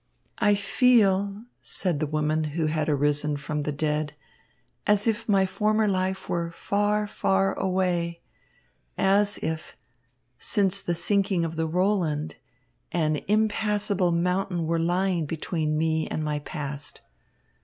"I feel," said the woman who had arisen from the dead, "as if my former life were far, far away, as if, since the sinking of the Roland, an impassable mountain were lying between me and my past.